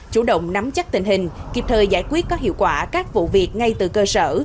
chủ động nắm chắc tình hình kịp thời giải quyết có hiệu quả các vụ việc ngay từ cơ sở